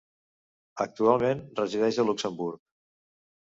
Actualment resideix en Luxemburg.